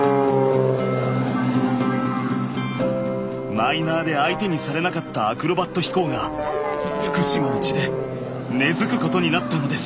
マイナーで相手にされなかったアクロバット飛行が福島の地で根づくことになったのです。